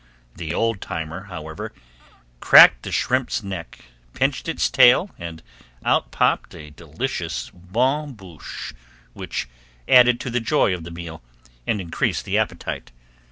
The Old Timer, however, cracked the shrimp's neck, pinched its tail, and out popped a delicious bonne bouche which added to the joy of the meal and increased the appetite.